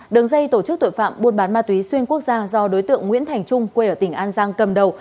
đường dây tổ chức tội phạm buôn bán ma túy xuyên quốc gia do đối tượng nguyễn thành trung quê ở tỉnh an giang cầm đầu